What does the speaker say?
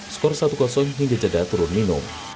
skor satu hingga jeda turun minum